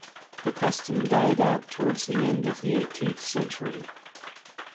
The custom died out towards the end of the eighteenth century.